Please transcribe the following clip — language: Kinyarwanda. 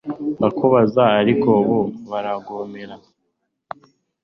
ndabakuza, ariko bo barangomera